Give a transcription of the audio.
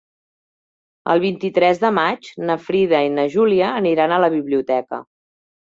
El vint-i-tres de maig na Frida i na Júlia aniran a la biblioteca.